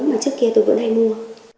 mà trước kia tôi vẫn hay mua